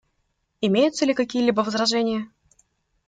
Имеются ли какие-либо возражения?